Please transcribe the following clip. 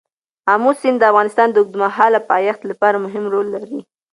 آمو سیند د افغانستان د اوږدمهاله پایښت لپاره مهم رول لري.